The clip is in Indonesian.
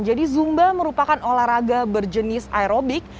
jadi zumba merupakan olahraga berjenis aerobik